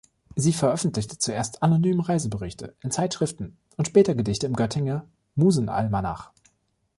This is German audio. Sie veröffentlichte zuerst anonym Reiseberichte in Zeitschriften und später Gedichte im "Göttinger Musenalmanach".